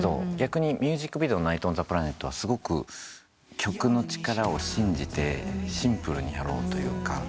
逆にミュージックビデオの『ナイトオンザプラネット』はすごく曲の力を信じてシンプルにやろうというか。